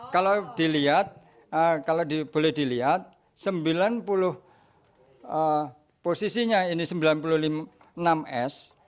kalau dilihat kalau boleh dilihat sembilan puluh posisinya ini sembilan puluh enam s